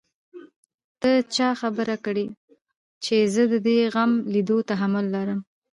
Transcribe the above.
ته چا خبره کړې چې زه د دې غم ليدو تحمل لرم.